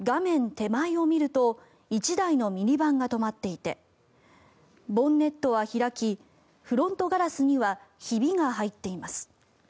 手前を見ると１台のミニバンが止まっていてボンネットは開きフロントガラスにはひびが入っています。